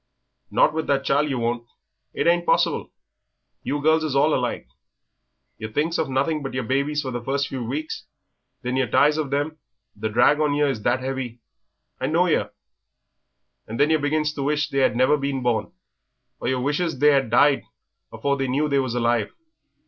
"Not with that child yer won't it ain't possible.... You girls is all alike, yer thinks of nothing but yer babies for the first few weeks, then yer tires of them, the drag on yer is that 'eavy I knows yer and then yer begins to wish they 'ad never been born, or yer wishes they had died afore they knew they was alive.